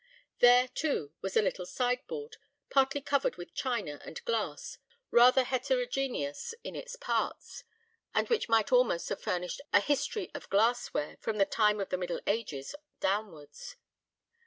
There, too, was a little sideboard, partly covered with china and glass, rather heterogeneous in its parts, and which might almost have furnished a history of glass ware from the time of the middle ages downwards.